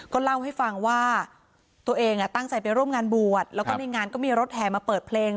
เล่าให้ฟังว่าตัวเองตั้งใจไปร่วมงานบวชแล้วก็ในงานก็มีรถแห่มาเปิดเพลง